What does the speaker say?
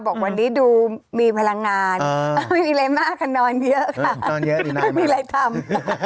บอกวันนี้ดูมีพลังงานเออมันมีอะไรมากหนอนเยอะค่ะมันมีอะไรทำ